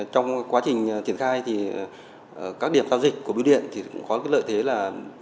trong quá trình triển khai thì các điểm giao dịch của biêu điện thì cũng có cái lợi thế là